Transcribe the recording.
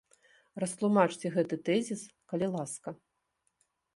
Растлумачце гэты тэзіс, калі ласка.